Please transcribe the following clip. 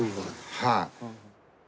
はい。